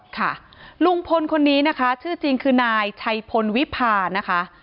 ค่ะลุงพลคนนี้นะคะชื่อจริงคือนายชัยพลวิพานะคะ